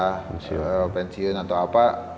ya mungkin suatu saat saya sudah pensiun atau apa